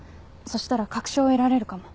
そしたら確証を得られるかも。